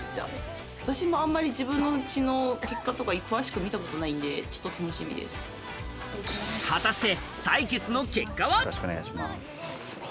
私もあんまり自分の血の結果とか詳しく見たことないんで、ちょっ果たして採血の結果は。